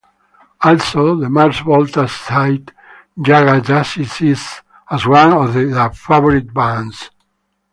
Also, The Mars Volta cite Jaga Jazzist as one of their favourite bands.